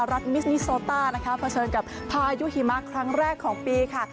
มิสนิโซต้านะคะเผชิญกับพายุหิมะครั้งแรกของปีค่ะ